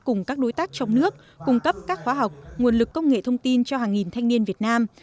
cùng các đối tác trong nước cung cấp các khóa học nguồn lực công nghệ thông tin cho hàng nghìn thanh niên việt nam